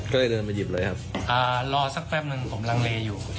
ก็เลยเดินไปหยิบเลยครับอ่ารอสักแป๊บหนึ่งผมลังเลอยู่